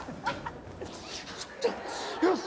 よし！